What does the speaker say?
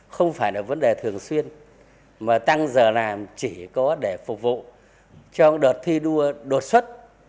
không phải là vấn đề thường xuyên mà tăng giờ làm chỉ có để phục vụ trong đợt thi đua đột xuất